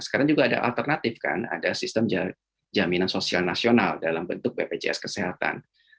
sekarang juga ada alternatif kan ada sistem jaminan sosial nasional dalam bentuk bpjs kesehatan